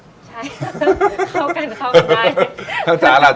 ใช่เข้ากันเข้ากันมาก